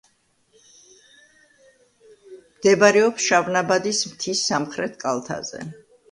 მდებარეობს შავნაბადის მთის სამხერთ კალთაზე.